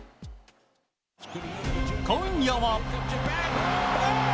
今夜は。